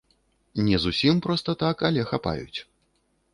Не зусім проста так, але хапаюць.